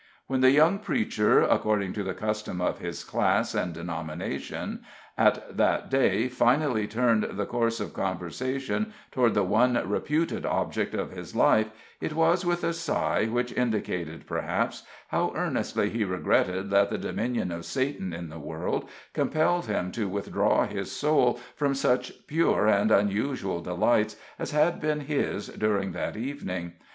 When the young preacher, according to the custom of his class and denomination, at that day, finally turned the course of conversation toward the one reputed object of his life, it was with a sigh which indicated, perhaps, how earnestly he regretted that the dominion of Satan in the world compelled him to withdraw his soul from such pure and unusual delights as had been his during that evening.